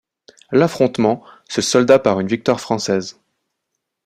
L'affrontement se solda par une victoire française.